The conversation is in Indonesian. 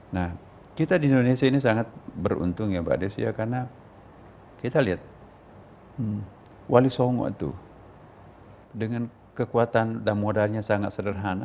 nah kita di indonesia ini sangat beruntung ya mbak desi ya karena kita lihat wali songo itu dengan kekuatan dan modalnya sangat sederhana